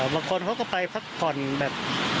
บางคนเขาก็ไปพักผ่อนแบบ